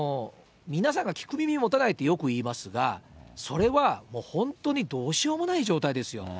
皆さんが聞く耳持たないってよく言いますが、それは、本当にどうしようもない状態ですよ。